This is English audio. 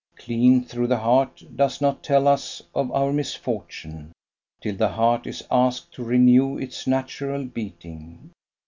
Clean through the heart, does not tell us of our misfortune, till the heart is asked to renew its natural beating.